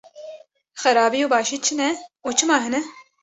Xerabî û başî çi ne û çima hene?